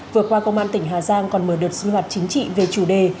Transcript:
vừa qua công an tỉnh hà giang còn mở được sưu hoạt chính trị về chủ đề